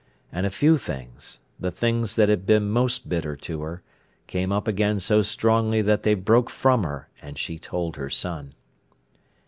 And a few things, the things that had been most bitter to her, came up again so strongly that they broke from her, and she told her son.